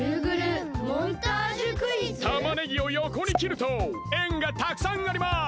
たまねぎをよこにきるとえんがたくさんあります！